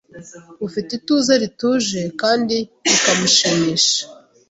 ufite ituze rituje kandi bikamushimisha